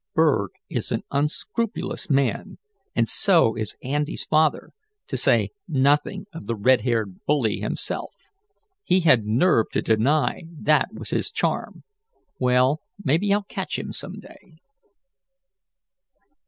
Berg is an unscrupulous man, and so is Andy's father, to say nothing of the red haired bully himself. He had nerve to deny that was his charm. Well, maybe I'll catch him some day."